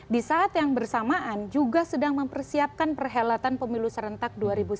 di saat yang bersamaan juga sedang mempersiapkan perhelatan pemilu serentak dua ribu sembilan belas